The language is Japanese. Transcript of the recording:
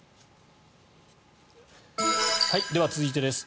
では続いてです。